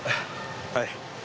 はい。